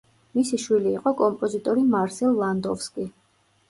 მისი შვილი იყო კომპოზიტორი მარსელ ლანდოვსკი.